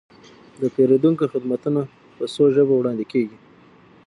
د پیرودونکو خدمتونه په څو ژبو وړاندې کیږي.